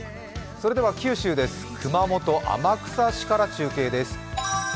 九州です、熊本・天草市から中継です。